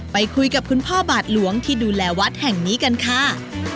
ไปคุยกับคุณพ่อบาทหลวงที่ดูแลวัดแห่งนี้กันค่ะ